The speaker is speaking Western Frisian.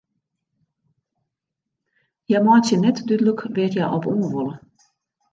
Hja meitsje net dúdlik wêr't hja op oan wolle.